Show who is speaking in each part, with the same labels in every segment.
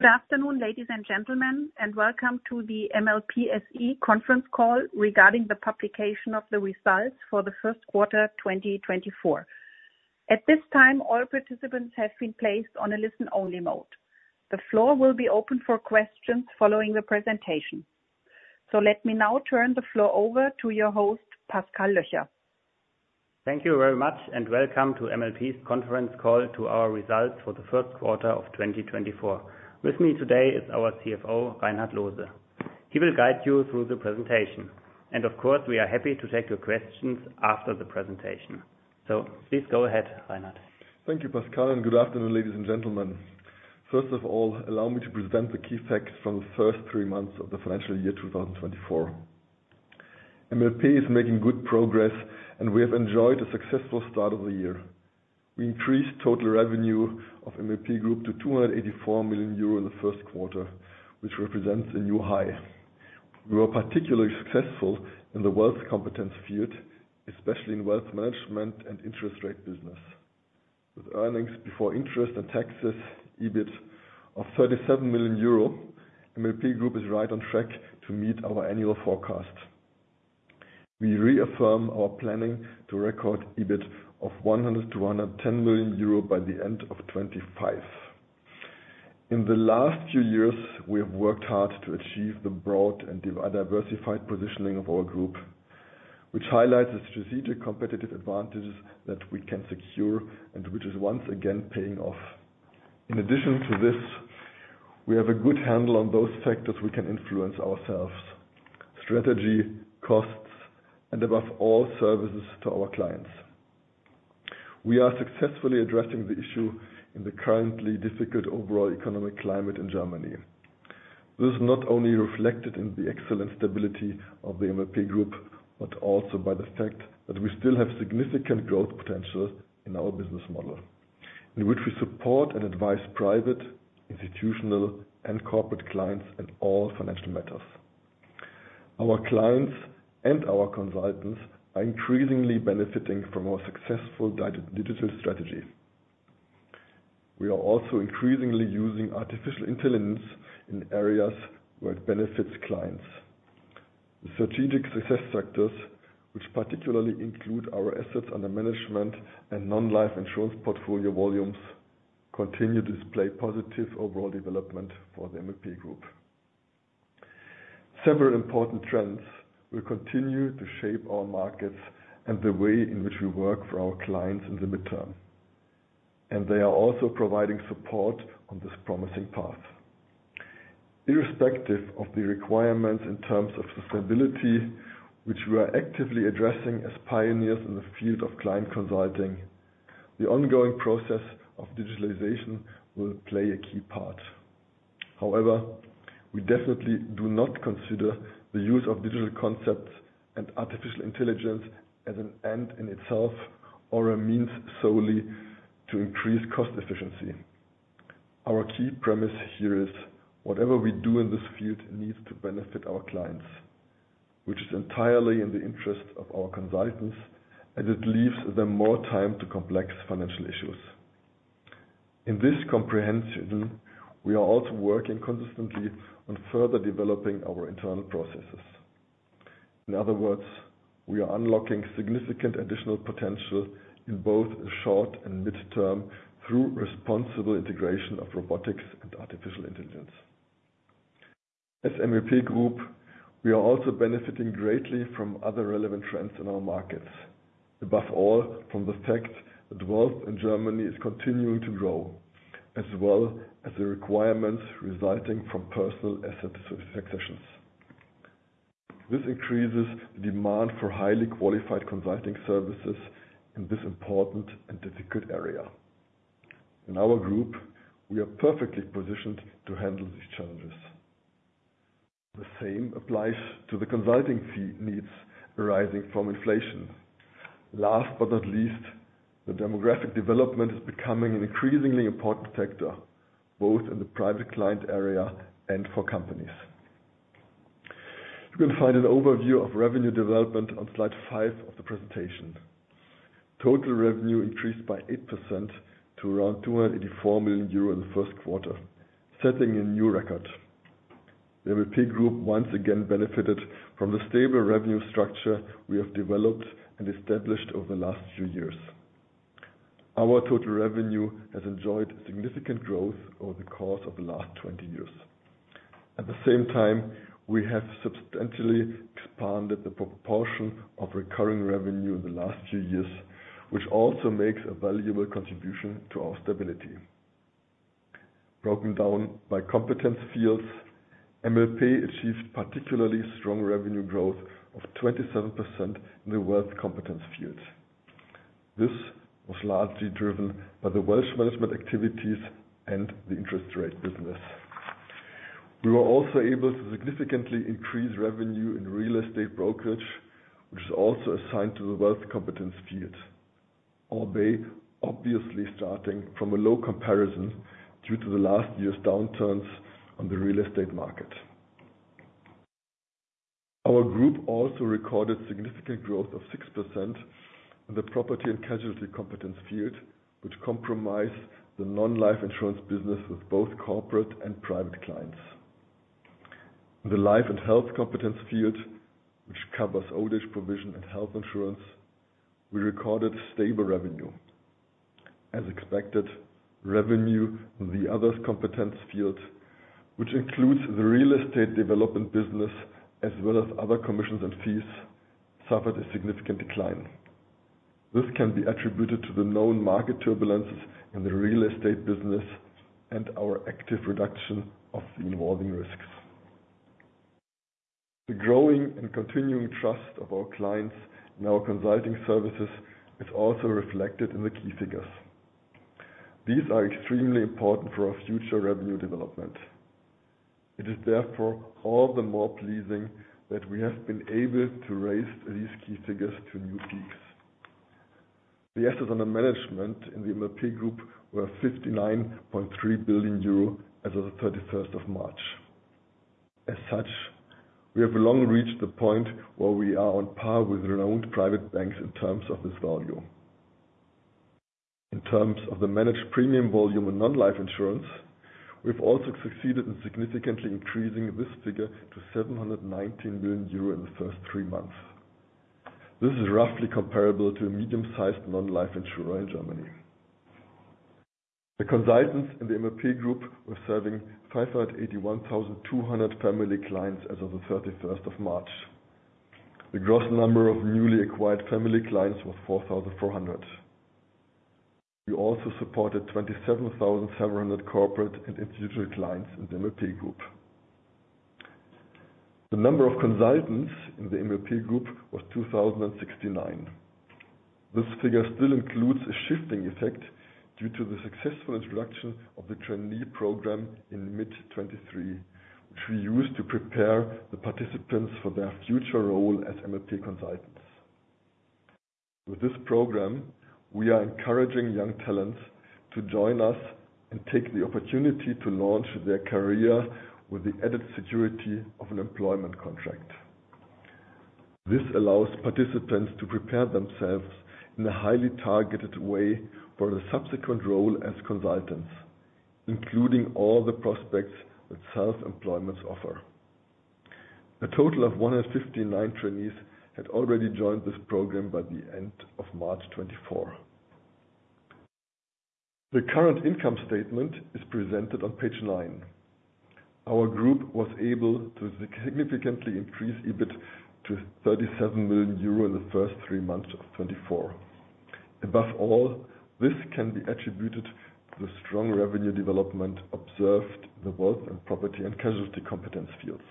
Speaker 1: Good afternoon, ladies and gentlemen, and welcome to the MLP SE conference call regarding the publication of the results for the first quarter 2024. At this time, all participants have been placed on a listen-only mode. The floor will be open for questions following the presentation. Let me now turn the floor over to your host, Pascal Löcher.
Speaker 2: Thank you very much, and welcome to MLP's conference call to our results for the first quarter of 2024. With me today is our CFO, Reinhard Loose. He will guide you through the presentation, and of course, we are happy to take your questions after the presentation. Please go ahead, Reinhard.
Speaker 3: Thank you, Pascal, and good afternoon, ladies and gentlemen. First of all, allow me to present the key facts from the first three months of the financial year 2024. MLP is making good progress, and we have enjoyed a successful start of the year. We increased total revenue of MLP Group to 284 million euro in the first quarter, which represents a new high. We were particularly successful in the wealth competence field, especially in wealth management and interest rate business. With earnings before interest and taxes (EBIT) of 37 million euro, MLP Group is right on track to meet our annual forecast. We reaffirm our planning to record EBIT of 100 million-110 million euro by the end of 2025. In the last few years, we have worked hard to achieve the broad and diversified positioning of our group, which highlights the strategic competitive advantages that we can secure and which is once again paying off. In addition to this, we have a good handle on those factors we can influence ourselves: strategy, costs, and above all, services to our clients. We are successfully addressing the issue in the currently difficult overall economic climate in Germany. This is not only reflected in the excellent stability of the MLP Group but also by the fact that we still have significant growth potential in our business model, in which we support and advise private, institutional, and corporate clients in all financial matters. Our clients and our consultants are increasingly benefiting from our successful digital strategy. We are also increasingly using artificial intelligence in areas where it benefits clients. The strategic success factors, which particularly include our assets under management and non-life insurance portfolio volumes, continue to display positive overall development for the MLP Group. Several important trends will continue to shape our markets and the way in which we work for our clients in the midterm, and they are also providing support on this promising path. Irrespective of the requirements in terms of sustainability, which we are actively addressing as pioneers in the field of client consulting, the ongoing process of digitalization will play a key part. However, we definitely do not consider the use of digital concepts and artificial intelligence as an end in itself or a means solely to increase cost efficiency. Our key premise here is: whatever we do in this field needs to benefit our clients, which is entirely in the interest of our consultants as it leaves them more time to complex financial issues. In this comprehension, we are also working consistently on further developing our internal processes. In other words, we are unlocking significant additional potential in both the short and midterm through responsible integration of robotics and artificial intelligence. As MLP Group, we are also benefiting greatly from other relevant trends in our markets, above all from the fact that wealth in Germany is continuing to grow as well as the requirements resulting from personal asset successions. This increases the demand for highly qualified consulting services in this important and difficult area. In our group, we are perfectly positioned to handle these challenges. The same applies to the consulting fee needs arising from inflation. Last but not least, the demographic development is becoming an increasingly important factor both in the private client area and for companies. You can find an overview of revenue development on slide 5 of the presentation. Total revenue increased by 8% to around 284 million euro in the first quarter, setting a new record. The MLP Group once again benefited from the stable revenue structure we have developed and established over the last few years. Our total revenue has enjoyed significant growth over the course of the last 20 years. At the same time, we have substantially expanded the proportion of recurring revenue in the last few years, which also makes a valuable contribution to our stability. Broken down by competence fields, MLP achieved particularly strong revenue growth of 27% in the wealth competence field. This was largely driven by the wealth management activities and the interest rate business. We were also able to significantly increase revenue in real estate brokerage, which is also assigned to the wealth competence field, albeit obviously starting from a low comparison due to the last year's downturns on the real estate market. Our group also recorded significant growth of 6% in the property and casualty competence field, which compromised the non-life insurance business with both corporate and private clients. In the life and health competence field, which covers old age provision and health insurance, we recorded stable revenue. As expected, revenue in the others competence field, which includes the real estate development business as well as other commissions and fees, suffered a significant decline. This can be attributed to the known market turbulences in the real estate business and our active reduction of the involving risks. The growing and continuing trust of our clients in our consulting services is also reflected in the key figures. These are extremely important for our future revenue development. It is therefore all the more pleasing that we have been able to raise these key figures to new peaks. The assets under management in the MLP Group were 59.3 billion euro as of the 31st of March. As such, we have long reached the point where we are on par with renowned private banks in terms of this value. In terms of the managed premium volume in non-life insurance, we've also succeeded in significantly increasing this figure to 719 million euro in the first three months. This is roughly comparable to a medium-sized non-life insurer in Germany. The consultants in the MLP Group were serving 581,200 family clients as of the 31st of March. The gross number of newly acquired family clients was 4,400. We also supported 27,700 corporate and institutional clients in the MLP Group. The number of consultants in the MLP Group was 2,069. This figure still includes a shifting effect due to the successful introduction of the trainee program in mid-2023, which we used to prepare the participants for their future role as MLP consultants. With this program, we are encouraging young talents to join us and take the opportunity to launch their career with the added security of an employment contract. This allows participants to prepare themselves in a highly targeted way for the subsequent role as consultants, including all the prospects that self-employment offers. A total of 159 trainees had already joined this program by the end of March 2024. The current income statement is presented on page nine. Our group was able to significantly increase EBIT to 37 million euro in the first three months of 2024. Above all, this can be attributed to the strong revenue development observed in the wealth and property and casualty competence fields.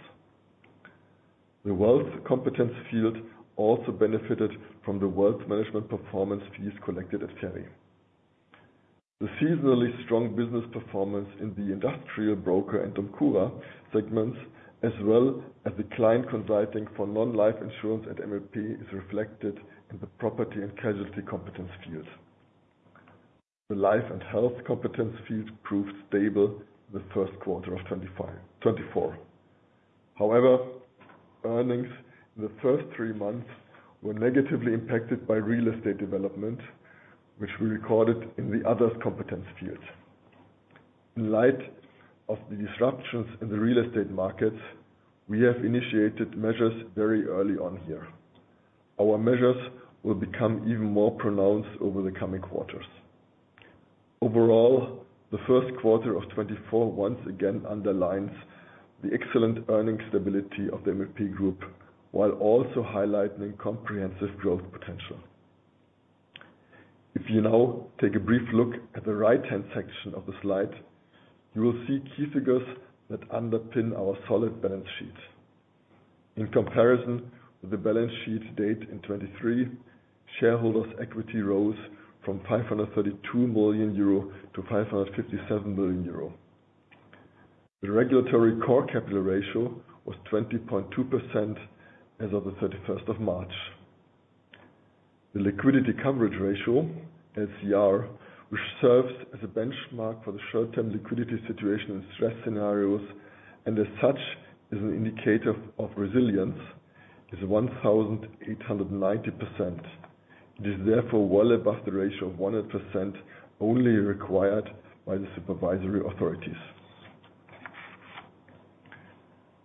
Speaker 3: The wealth competence field also benefited from the wealth management performance fees collected at FERI. The seasonally strong business performance in the industrial broker and DOMCURA segments, as well as the client consulting for non-life insurance and MLP, is reflected in the property and casualty competence field. The life and health competence field proved stable in the first quarter of 2024. However, earnings in the first three months were negatively impacted by real estate development, which we recorded in the others competence field. In light of the disruptions in the real estate markets, we have initiated measures very early on here. Our measures will become even more pronounced over the coming quarters. Overall, the first quarter of 2024 once again underlines the excellent earnings stability of the MLP Group while also highlighting comprehensive growth potential. If you now take a brief look at the right-hand section of the slide, you will see key figures that underpin our solid balance sheet. In comparison with the balance sheet date in 2023, shareholders' equity rose from 532 million euro to 557 million euro. The regulatory core capital ratio was 20.2% as of the 31st of March. The liquidity coverage ratio, LCR, which serves as a benchmark for the short-term liquidity situation in stress scenarios and as such is an indicator of resilience, is 1,890%. It is therefore well above the ratio of 100% only required by the supervisory authorities.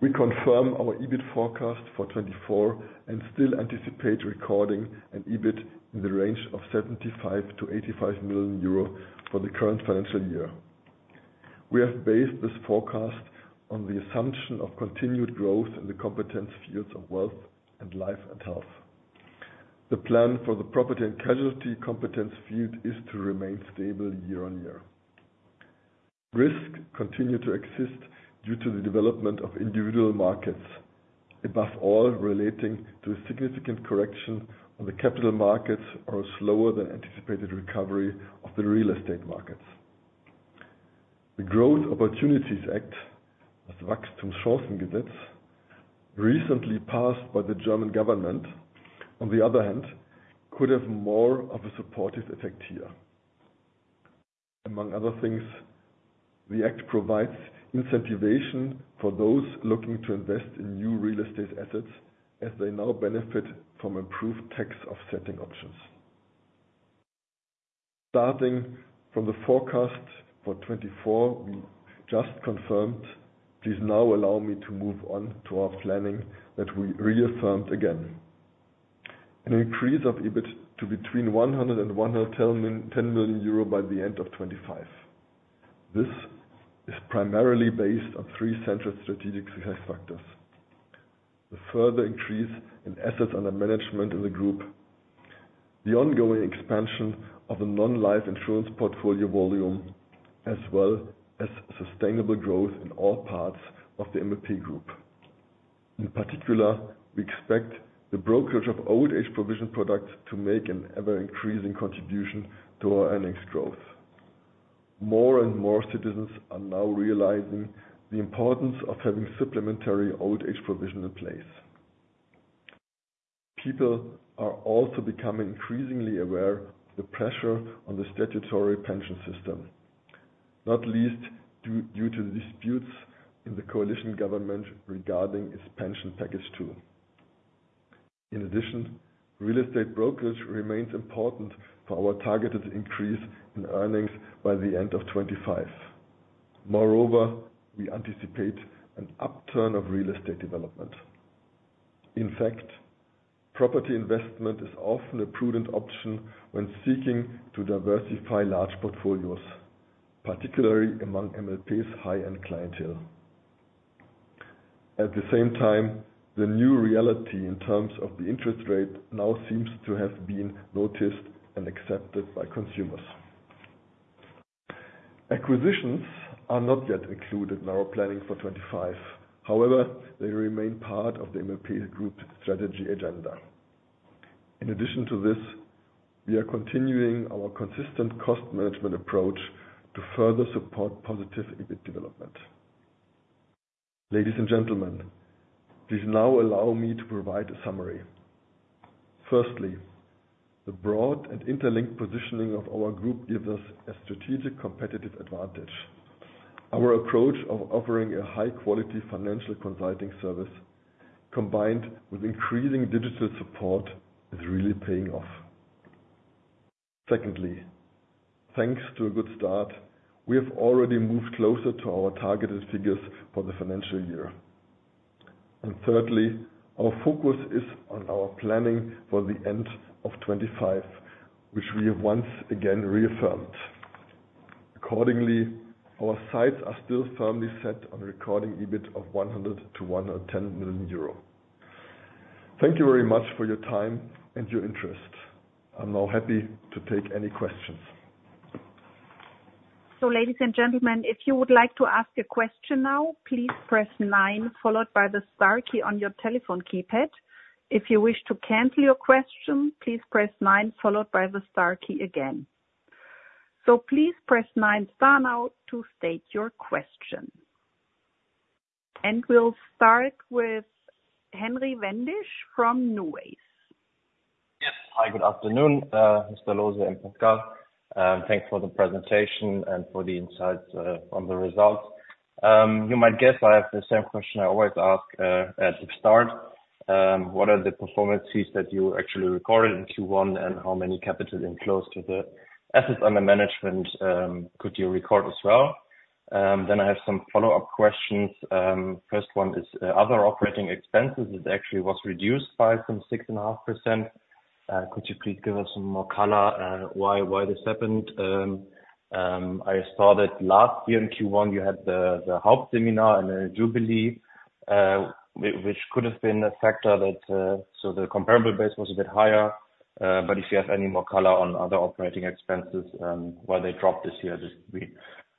Speaker 3: We confirm our EBIT forecast for 2024 and still anticipate recording an EBIT in the range of 75 million-85 million euro for the current financial year. We have based this forecast on the assumption of continued growth in the competence fields of wealth and life and health. The plan for the property and casualty competence field is to remain stable year-on-year. Risks continue to exist due to the development of individual markets, above all relating to a significant correction on the capital markets or a slower than anticipated recovery of the real estate markets. The Growth Opportunities Act, das Wachstumschancengesetz, recently passed by the German government, on the other hand, could have more of a supportive effect here. Among other things, the act provides incentivation for those looking to invest in new real estate assets as they now benefit from improved tax offsetting options. Starting from the forecast for 2024, we just confirmed. Please now allow me to move on to our planning that we reaffirmed again. An increase of EBIT to between 100 million euro and 110 million by the end of 2025. This is primarily based on three central strategic success factors: the further increase in assets under management in the group, the ongoing expansion of the non-life insurance portfolio volume, as well as sustainable growth in all parts of the MLP Group. In particular, we expect the brokerage of old age provision products to make an ever-increasing contribution to our earnings growth. More and more citizens are now realizing the importance of having supplementary old age provision in place. People are also becoming increasingly aware of the pressure on the statutory pension system, not least due to disputes in the coalition government regarding its pension package too. In addition, real estate brokerage remains important for our targeted increase in earnings by the end of 2025. Moreover, we anticipate an upturn of real estate development. In fact, property investment is often a prudent option when seeking to diversify large portfolios, particularly among MLP's high-end clientele. At the same time, the new reality in terms of the interest rate now seems to have been noticed and accepted by consumers. Acquisitions are not yet included in our planning for 2025. However, they remain part of the MLP Group strategy agenda. In addition to this, we are continuing our consistent cost management approach to further support positive EBIT development. Ladies and gentlemen, please now allow me to provide a summary. Firstly, the broad and interlinked positioning of our group gives us a strategic competitive advantage. Our approach of offering a high-quality financial consulting service combined with increasing digital support is really paying off. Secondly, thanks to a good start, we have already moved closer to our targeted figures for the financial year. And thirdly, our focus is on our planning for the end of 2025, which we have once again reaffirmed. Accordingly, our sights are still firmly set on recording EBIT of 100 million-110 million euro. Thank you very much for your time and your interest. I'm now happy to take any questions.
Speaker 1: So ladies and gentlemen, if you would like to ask a question now, please press nine followed by the star key on your telephone keypad. If you wish to cancel your question, please press nine followed by the star key again. So please press nine star now to state your question. And we'll start with Henry Wendisch from NuWays.
Speaker 4: Yes. Hi. Good afternoon, Mr. Loose and Pascal. Thanks for the presentation and for the insights on the results. You might guess I have the same question I always ask at the start. What are the performances that you actually recorded in Q1 and how many capital inflows to the assets under management could you record as well? Then I have some follow-up questions. First one is other operating expenses. It actually was reduced by some 6.5%. Could you please give us some more color why this happened? I saw that last year in Q1, you had the HOPE seminar and a jubilee, which could have been a factor that so the comparable base was a bit higher. But if you have any more color on other operating expenses, why they dropped this year, this would be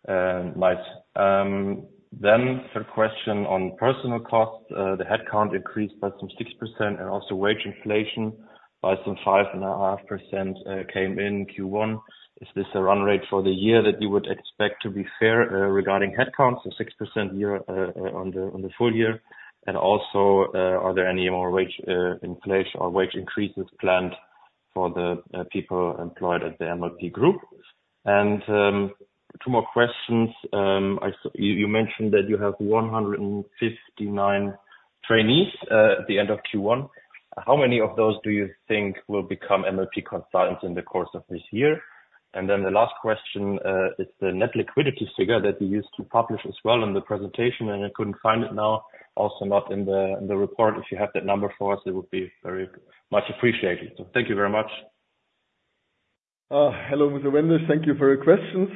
Speaker 4: nice. Then third question on personal costs. The headcount increased by some 6% and also wage inflation by some 5.5% came in Q1. Is this a run rate for the year that you would expect to be fair regarding headcounts, so 6% year on the full year? Also, are there any more wage inflation or wage increases planned for the people employed at the MLP Group? Two more questions. You mentioned that you have 159 trainees at the end of Q1. How many of those do you think will become MLP consultants in the course of this year? Then the last question is the net liquidity figure that you used to publish as well in the presentation, and I couldn't find it now, also not in the report. If you have that number for us, it would be very much appreciated. Thank you very much.
Speaker 3: Hello, Mr. Wendisch. Thank you for your questions.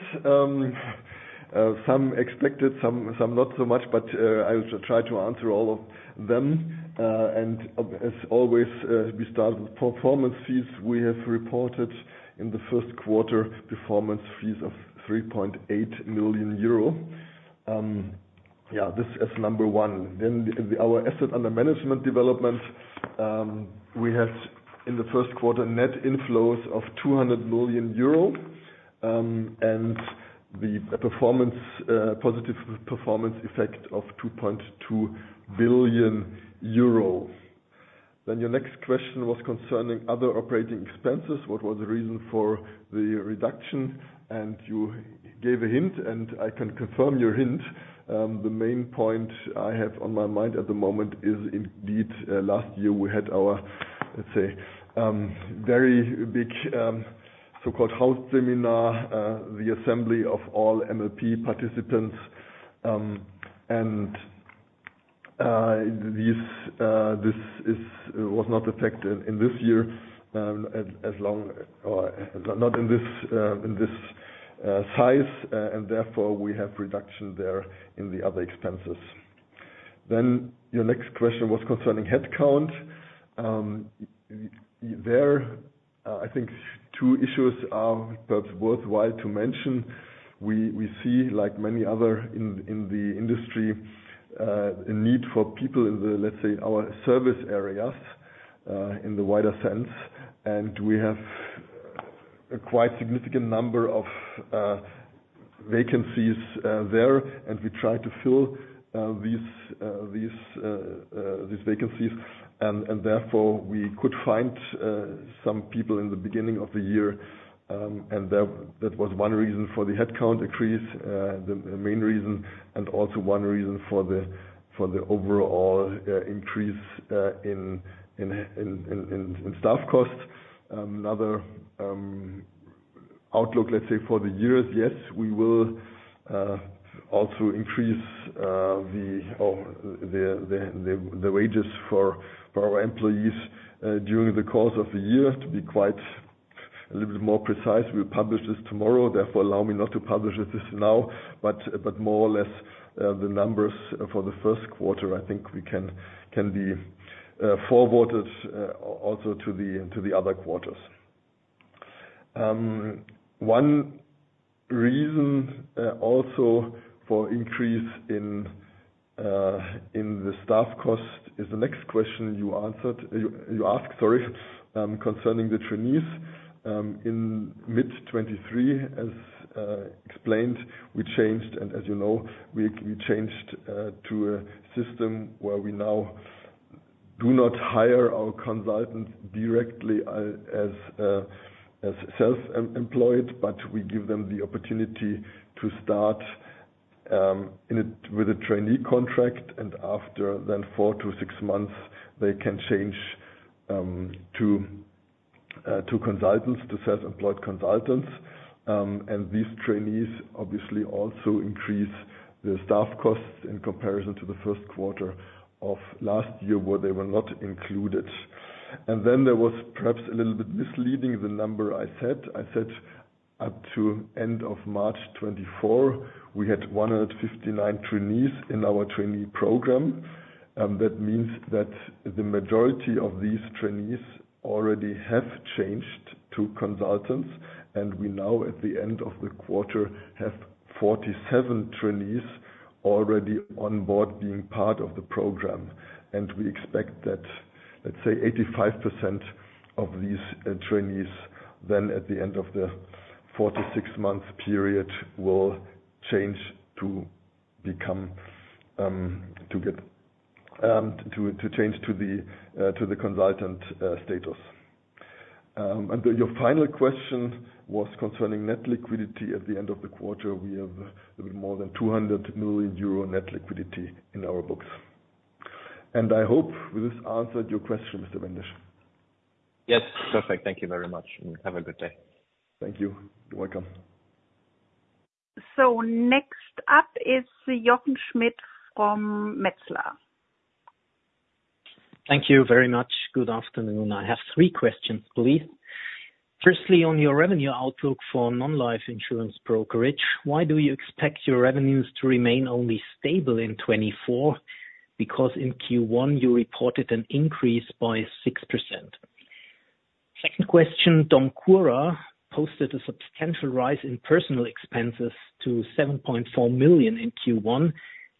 Speaker 3: Some expected, some not so much, but I'll try to answer all of them. And as always, we start with performance fees. We have reported in the first quarter performance fees of 3.8 million euro. Yeah, this as number one. Then our asset under management development, we had in the first quarter net inflows of 200 million euro and the positive performance effect of 2.2 billion euro. Then your next question was concerning other operating expenses. What was the reason for the reduction? And you gave a hint, and I can confirm your hint. The main point I have on my mind at the moment is indeed last year, we had our, let's say, very big so-called HOPE seminar, the assembly of all MLP participants. And this was not affected in this year as long or not in this size, and therefore, we have reduction there in the other expenses. Then your next question was concerning headcount. There, I think two issues are perhaps worthwhile to mention. We see, like many other in the industry, a need for people in the, let's say, our service areas in the wider sense. And we have a quite significant number of vacancies there, and we try to fill these vacancies. And therefore, we could find some people in the beginning of the year. And that was one reason for the headcount increase, the main reason, and also one reason for the overall increase in staff costs. Another outlook, let's say, for the years, yes, we will also increase the wages for our employees during the course of the year. To be quite a little bit more precise, we'll publish this tomorrow. Therefore, allow me not to publish this now, but more or less the numbers for the first quarter, I think we can be forwarded also to the other quarters. One reason also for increase in the staff cost is the next question you asked, sorry, concerning the trainees. In mid-2023, as explained, we changed, and as you know, we changed to a system where we now do not hire our consultants directly as self-employed, but we give them the opportunity to start with a trainee contract, and after then four to six months, they can change to consultants, to self-employed consultants. And these trainees obviously also increase the staff costs in comparison to the first quarter of last year where they were not included. And then there was perhaps a little bit misleading, the number I said. I said up to end of March 2024, we had 159 trainees in our trainee program. That means that the majority of these trainees already have changed to consultants, and we now, at the end of the quarter, have 47 trainees already on board being part of the program. And we expect that, let's say, 85% of these trainees then, at the end of the four-to-six-month period, will change to get to change to the consultant status. And your final question was concerning net liquidity. At the end of the quarter, we have a little bit more than 200 million euro net liquidity in our books. And I hope we've just answered your question, Mr. Wendisch.
Speaker 4: Yes. Perfect. Thank you very much, and have a good day.
Speaker 3: Thank you. You're welcome.
Speaker 1: So next up is Jochen Schmitt from Metzler.
Speaker 5: Thank you very much. Good afternoon. I have three questions, please. Firstly, on your revenue outlook for non-life insurance brokerage, why do you expect your revenues to remain only stable in 2024 because in Q1, you reported an increase by 6%? Second question, DOMCURA posted a substantial rise in personal expenses to 7.4 million in Q1,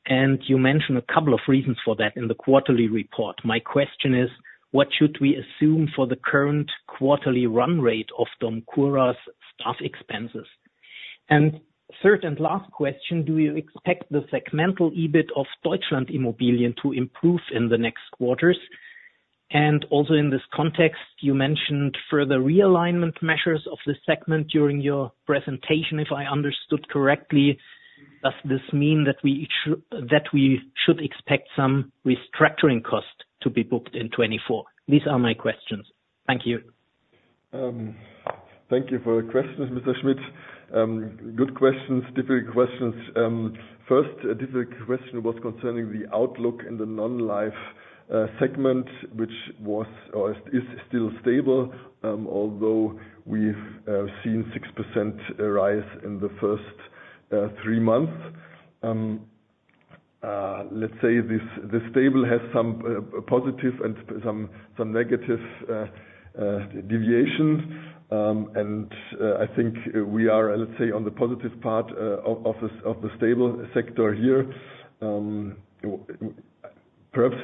Speaker 5: and you mentioned a couple of reasons for that in the quarterly report. My question is, what should we assume for the current quarterly run rate of DOMCURA's staff expenses? And third and last question, do you expect the segmental EBIT of Deutschland.Immobilien to improve in the next quarters? And also in this context, you mentioned further realignment measures of the segment during your presentation, if I understood correctly. Does this mean that we should expect some restructuring cost to be booked in 2024? These are my questions. Thank you.
Speaker 3: Thank you for the questions, Mr. Schmitt. Good questions, difficult questions. First, a difficult question was concerning the outlook in the non-life segment, which was or is still stable, although we've seen a 6% rise in the first three months. Let's say the stable has some positive and some negative deviation, and I think we are, let's say, on the positive part of the stable sector here. Perhaps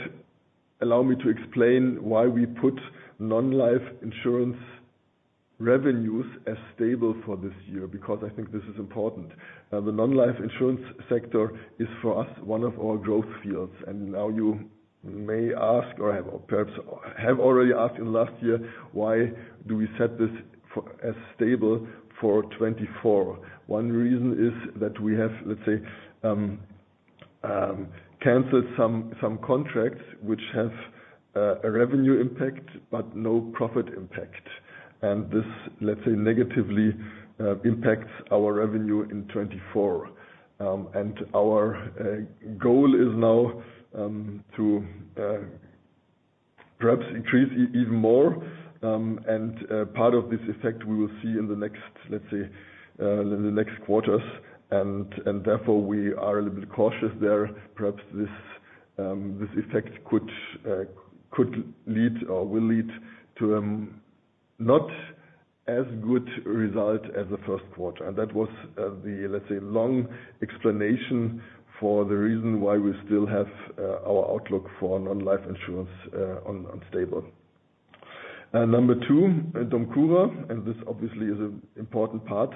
Speaker 3: allow me to explain why we put non-life insurance revenues as stable for this year because I think this is important. The non-life insurance sector is, for us, one of our growth fields. And now you may ask or perhaps have already asked in the last year, why do we set this as stable for 2024? One reason is that we have, let's say, canceled some contracts which have a revenue impact but no profit impact. And this, let's say, negatively impacts our revenue in 2024. Our goal is now to perhaps increase even more. Part of this effect, we will see in the next, let's say, in the next quarters. Therefore, we are a little bit cautious there. Perhaps this effect could lead or will lead to a not as good result as the first quarter. That was the, let's say, long explanation for the reason why we still have our outlook for non-life insurance unstable. Number two, DOMCURA, and this obviously is an important part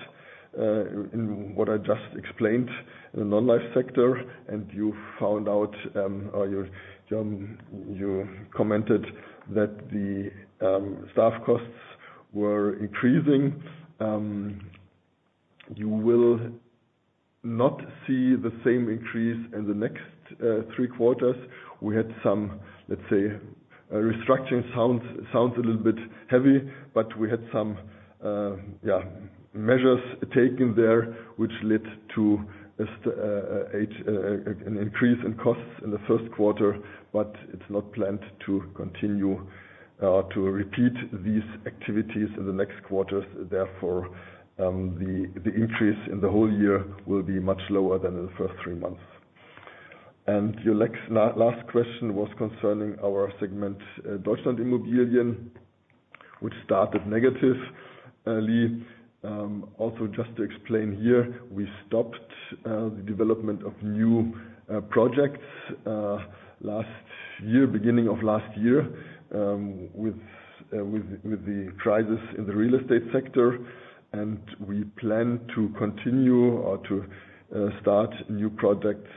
Speaker 3: in what I just explained in the non-life sector. You found out or you commented that the staff costs were increasing. You will not see the same increase in the next three quarters. We had some, let's say, restructuring sounds a little bit heavy, but we had some, yeah, measures taken there which led to an increase in costs in the first quarter. But it's not planned to continue or to repeat these activities in the next quarters. Therefore, the increase in the whole year will be much lower than in the first three months. Your last question was concerning our segment, Deutschland.Immobilien, which started negatively. Also, just to explain here, we stopped the development of new projects beginning of last year with the crisis in the real estate sector. We plan to continue or to start new projects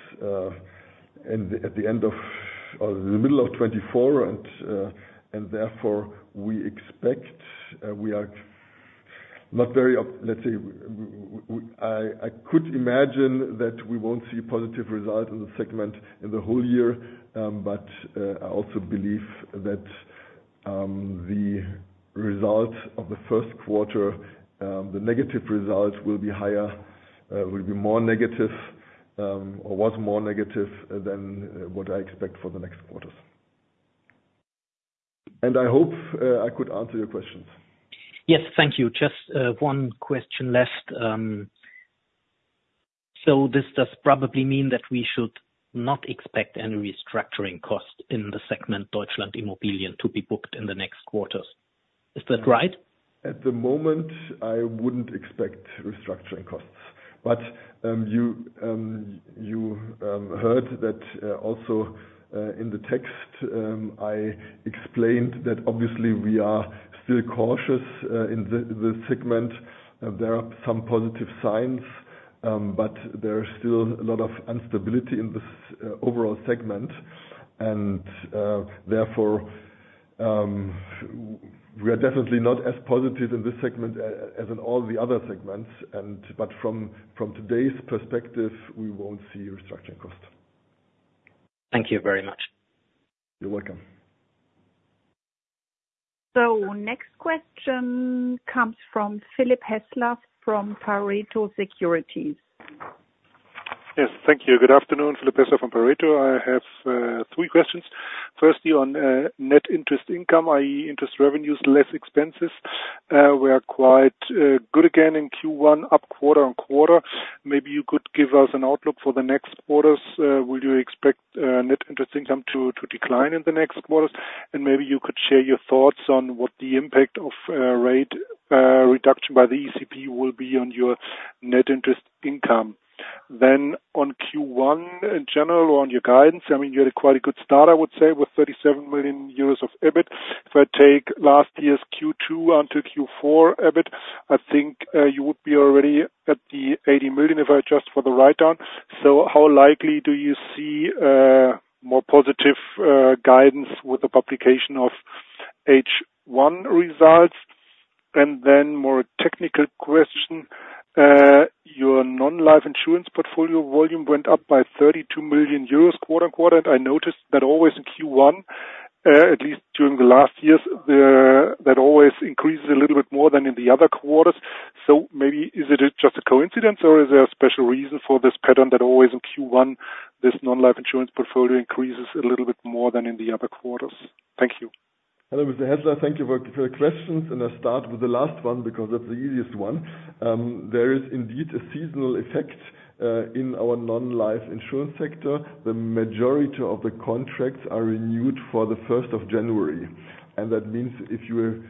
Speaker 3: at the end of or the middle of 2024. Therefore, we expect we are not very let's say, I could imagine that we won't see a positive result in the segment in the whole year. But I also believe that the result of the first quarter, the negative result, will be higher, will be more negative or was more negative than what I expect for the next quarters. And I hope I could answer your questions.
Speaker 5: Yes. Thank you. Just one question left. So this does probably mean that we should not expect any restructuring cost in the segment, Deutschland.Immobilien, to be booked in the next quarters. Is that right?
Speaker 3: At the moment, I wouldn't expect restructuring costs. But you heard that also in the text, I explained that obviously, we are still cautious in the segment. There are some positive signs, but there is still a lot of instability in this overall segment. And therefore, we are definitely not as positive in this segment as in all the other segments. But from today's perspective, we won't see restructuring cost.
Speaker 5: Thank you very much.
Speaker 3: You're welcome.
Speaker 1: So next question comes from Philipp Hässler from Pareto Securities.
Speaker 6: Yes. Thank you. Good afternoon, Philipp Hässler from Pareto. I have three questions. Firstly, on net interest income, i.e., interest revenues, less expenses, were quite good again in Q1, up quarter-on-quarter. Maybe you could give us an outlook for the next quarters. Will you expect net interest income to decline in the next quarters? And maybe you could share your thoughts on what the impact of rate reduction by the ECB will be on your net interest income. Then on Q1 in general or on your guidance, I mean, you had a quite a good start, I would say, with 37 million euros of EBIT. If I take last year's Q2 until Q4 EBIT, I think you would be already at the 80 million if I adjust for the write-down. So how likely do you see more positive guidance with the publication of H1 results? And then more technical question. Your non-life insurance portfolio volume went up by 32 million euros quarter-over-quarter. I noticed that always in Q1, at least during the last years, that always increases a little bit more than in the other quarters. So maybe is it just a coincidence, or is there a special reason for this pattern that always in Q1, this non-life insurance portfolio increases a little bit more than in the other quarters? Thank you.
Speaker 3: Hello, Mr. Hässler. Thank you for the questions. I'll start with the last one because that's the easiest one. There is indeed a seasonal effect in our non-life insurance sector. The majority of the contracts are renewed for the 1st of January. That means if you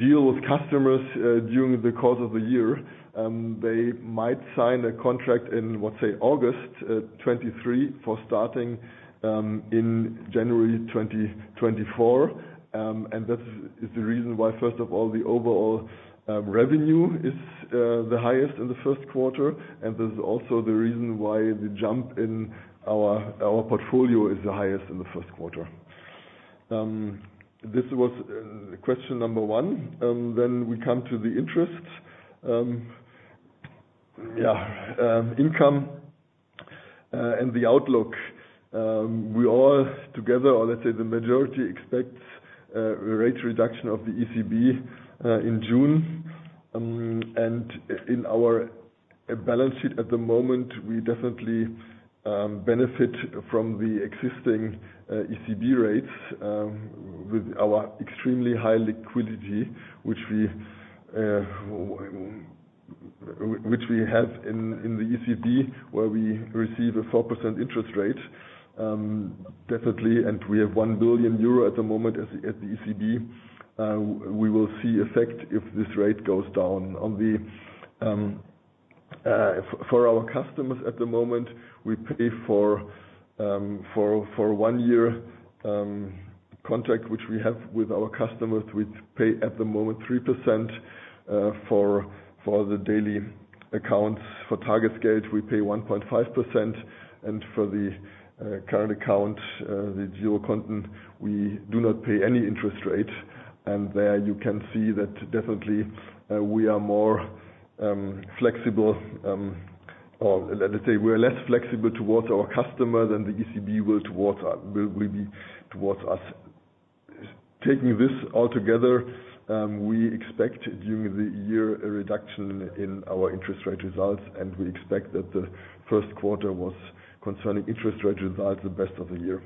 Speaker 3: deal with customers during the course of the year, they might sign a contract in, let's say, August 2023 for starting in January 2024. That is the reason why, first of all, the overall revenue is the highest in the first quarter. And this is also the reason why the jump in our portfolio is the highest in the first quarter. This was question number one. Then we come to the interest, yeah, income and the outlook. We all together or, let's say, the majority expects a rate reduction of the ECB in June. And in our balance sheet at the moment, we definitely benefit from the existing ECB rates with our extremely high liquidity which we have in the ECB where we receive a 4% interest rate, definitely. And we have 1 billion euro at the moment at the ECB. We will see effect if this rate goes down. For our customers at the moment, we pay for one-year contract which we have with our customers. We pay at the moment 3% for the daily accounts. For Tagesgeld, we pay 1.5%. For the current account, the Girokonten, we do not pay any interest rate. There, you can see that definitely, we are more flexible or, let's say, we are less flexible towards our customer than the ECB will be towards us. Taking this all together, we expect during the year a reduction in our interest rate results. We expect that the first quarter was, concerning interest rate results, the best of the year.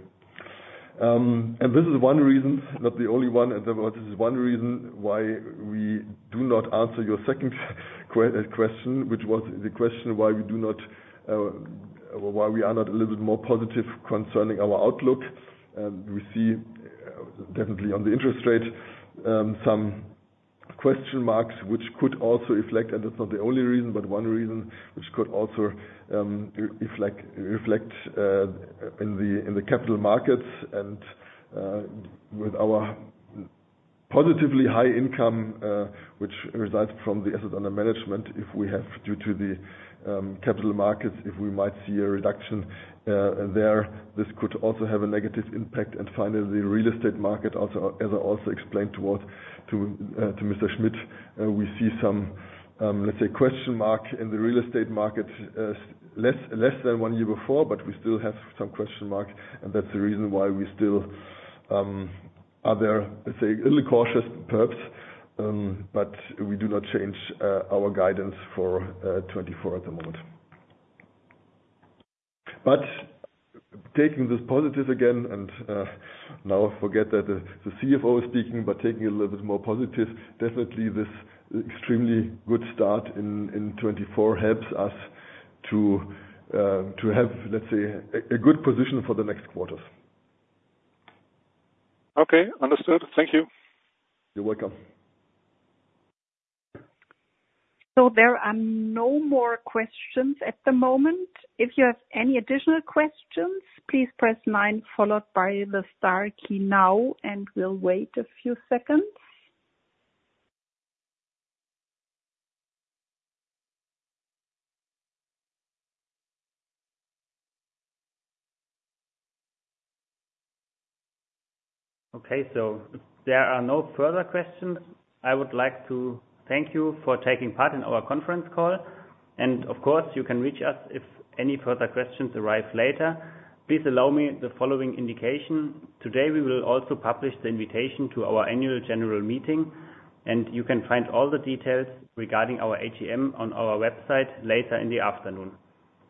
Speaker 3: This is one reason, not the only one. This is one reason why we do not answer your second question, which was the question why we do not or why we are not a little bit more positive concerning our outlook. We see definitely on the interest rate some question marks which could also reflect and that's not the only reason, but one reason which could also reflect in the capital markets. With our positively high income which results from the asset under management, if we have due to the capital markets, if we might see a reduction there, this could also have a negative impact. Finally, the real estate market, as I also explained to Mr. Schmitt, we see some, let's say, question mark in the real estate market less than one year before, but we still have some question mark. That's the reason why we still are there, let's say, a little cautious perhaps. But we do not change our guidance for 2024 at the moment. But taking this positive again and now forget that the CFO is speaking, but taking it a little bit more positive, definitely, this extremely good start in 2024 helps us to have, let's say, a good position for the next quarters.
Speaker 6: Okay. Understood. Thank you.
Speaker 3: You're welcome.
Speaker 1: So there are no more questions at the moment. If you have any additional questions, please press nine followed by the star key now, and we'll wait a few seconds.
Speaker 2: Okay. So there are no further questions. I would like to thank you for taking part in our conference call. And of course, you can reach us if any further questions arrive later. Please allow me the following indication. Today, we will also publish the invitation to our annual general meeting. And you can find all the details regarding our AGM on our website later in the afternoon.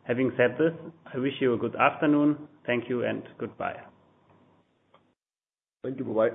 Speaker 2: Having said this, I wish you a good afternoon. Thank you, and goodbye.
Speaker 3: Thank you, bye.